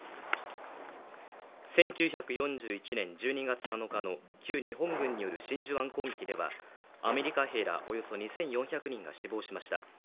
１９４２年１２月７日の旧日本軍による真珠湾攻撃ではアメリカ兵らおよそ２４００人が死亡しました。